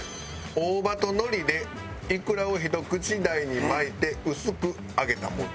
大葉と海苔でいくらをひと口大に巻いて薄く揚げたもの。